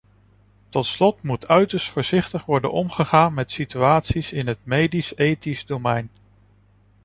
Tot slot moet uiterst voorzichtig worden omgegaan met situaties in het medisch-ethische domein.